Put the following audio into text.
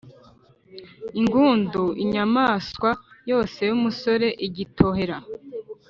ingûndu: inyamaswa yose y’umusore, igitohera